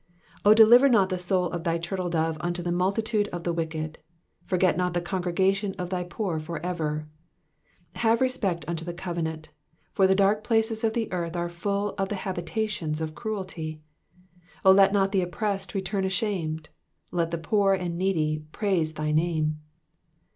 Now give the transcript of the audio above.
19 O deliver not the soul of thy turtle dove unto the multitude of the wicked : forget not the congregation of thy poor for ever. 20 Have respect unto the covenant : for the dark places of the earth are full of the habitations of cruelty. 21 O let not the oppressed return ashamed : let the poor and needy praise thy name.